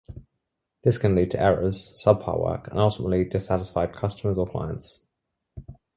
This can lead to errors, subpar work, and ultimately, dissatisfied customers or clients.